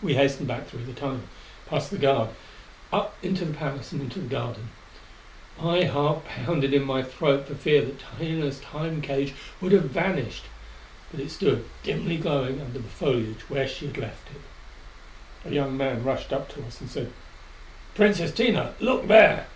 We hastened back through the tunnel, past the guard, up into the palace and into the garden. My heart pounded in my throat for fear that Tina's Time cage would have vanished. But it stood, dimly glowing under the foliage where she had left it. A young man rushed up to us and said, "Princess Tina, look there!"